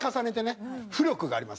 浮力がありますから。